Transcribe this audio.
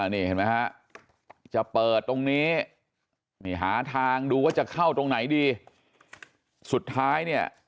นี่เห็นไหมฮะจะเปิดตรงนี้นี่หาทางดูว่าจะเข้าตรงไหนดีสุดท้ายเนี่ย